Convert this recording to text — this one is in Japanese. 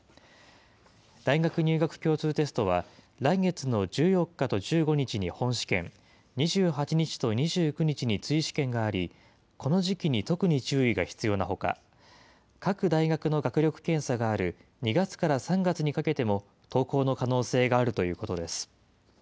大学入学共通テストは、来月の１４日と１５日に本試験、２８日と２９日に追試験があり、この時期に特に注意が必要なほか、各大学の学力検査がある２月から３月にかけても、投稿の可能性があるということです。